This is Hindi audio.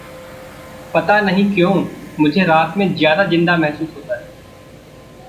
पता नहीं क्यों मुझे रात में ज़्यादा ज़िन्दा महसूस होता है।